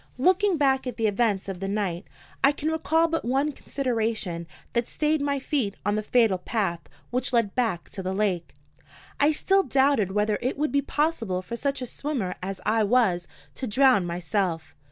Looking back at the events of the night, I can recall but one consideration that stayed my feet on the fatal path which led back to the lake. I still doubted whether it would be possible for such a swimmer as I was to drown himself.